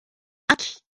あき